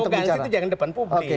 saya mempertahankan akal sehat